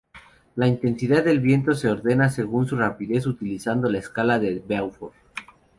La intensidad del viento se ordena según su rapidez utilizando la escala de Beaufort.